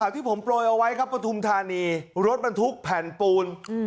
ที่ผมโปรยเอาไว้ครับปฐุมธานีรถบรรทุกแผ่นปูน